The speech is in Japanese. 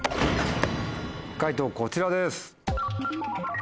解答こちらです。